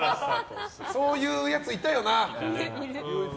そういうやついたよな。